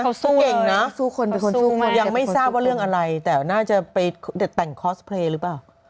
เขาสู้เองนะยังไม่ทราบว่าเรื่องอะไรแต่น่าจะไปแต่งคอสเพลย์หรือเปล่า